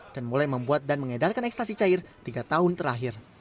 dan mulai membuat dan mengedarkan ekstasi cair tiga tahun terakhir